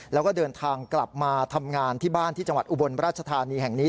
แล้วก็เดินทางกลับมาทำงานที่บ้านที่จังหวัดอุบลราชธานีแห่งนี้